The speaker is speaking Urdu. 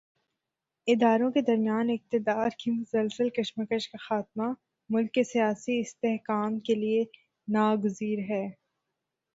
اداروں کے درمیان اقتدار کی مسلسل کشمکش کا خاتمہ، ملک کے سیاسی استحکام کے لیے ناگزیر ہے۔